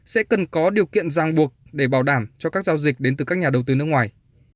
sẽ cần có điều kiện giang buộc để bảo đảm cho các giao dịch đến từ các nhà đầu tư nước ngoài